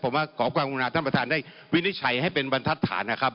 ผมว่ากอนความมูลนาท่านประธานได้